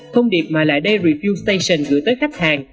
thông điệp mà lại đầy review station gửi tới khách hàng